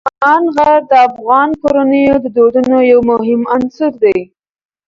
سلیمان غر د افغان کورنیو د دودونو یو مهم عنصر دی.